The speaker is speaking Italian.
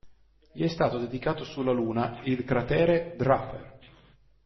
Gli è stato dedicato sulla Luna il cratere Draper.